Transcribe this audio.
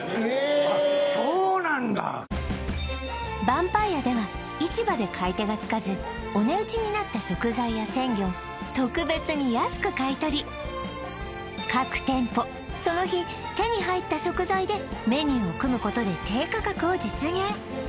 晩杯屋では市場で買い手がつかずお値打ちになった食材や鮮魚を特別に安く買い取り各店舗その日手に入った食材でメニューを組むことで低価格を実現